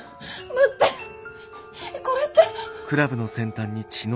待ってえこれって。